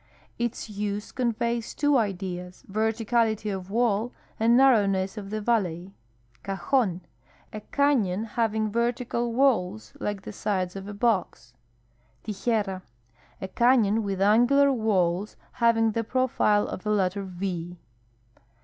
Its use conveys two ideas, verticality of wall and nar rowness of the valley. Cajon. — A canon having vertical walls like the sides of a box. Tijera. — A cafion with angular walls having the profile of a letter V.